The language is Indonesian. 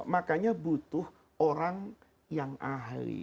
makanya butuh orang yang ahli